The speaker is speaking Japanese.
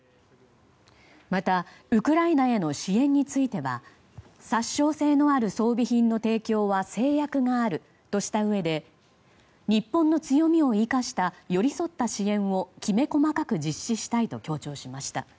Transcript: また、ウクライナへの支援については殺傷性のある装備品の提供は制約があるとしたうえで日本の強みを生かした寄り添った支援をきめ細かく実施したいと強調しました。